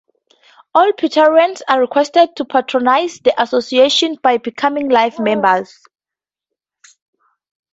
All Petarians are requested to patronise the Association by becoming life members.